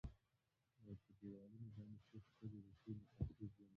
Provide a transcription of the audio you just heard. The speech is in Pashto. په دېوالونو باندې څو ښکلې روسي نقاشۍ ځوړندې وې